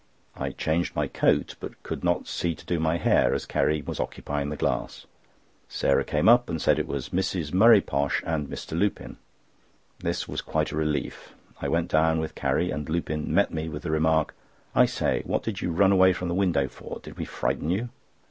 I changed my coat, but could not see to do my hair, as Carrie was occupying the glass. Sarah came up, and said it was Mrs. Murray Posh and Mr. Lupin. This was quite a relief. I went down with Carrie, and Lupin met me with the remark: "I say, what did you run away from the window for? Did we frighten you?"